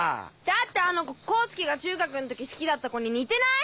だってあのコ功介が中学ん時好きだったコに似てない？